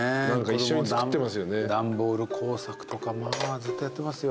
段ボール工作とかまあずっとやってますよ。